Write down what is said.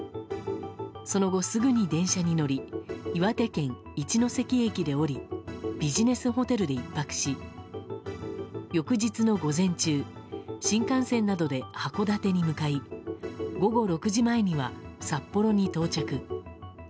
その後、すぐに電車に乗り岩手県一ノ関駅で降りビジネスホテルで１泊し翌日の午前中新幹線などで函館に向かい午後６時前には札幌に到着。